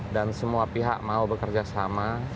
dan semua pihak mau bekerja sama